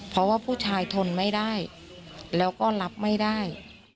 เพราะว่าผู้ชายทนไม่ได้แล้วก็รับไม่ได้